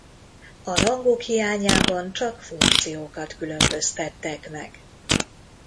A rangok hiányában csak funkciókat különböztettek meg.